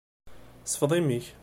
Sfeḍ imi-k.